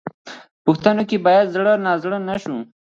په پوښتنو کې باید زړه نازړه نه شو.